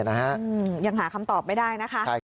ยังหาคำตอบไม่ได้นะคะ